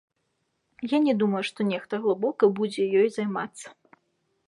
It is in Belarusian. Я не думаю, што нехта глыбока будзе ёй займацца.